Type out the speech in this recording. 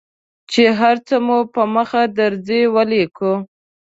چې هر څه مو په مخه درځي ولیکو.